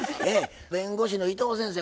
弁護士の伊藤先生